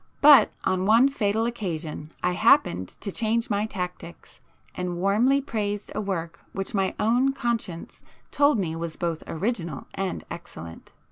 But on one fatal occasion I happened to change my tactics and warmly praised a work which my own conscience told me was both original and excellent.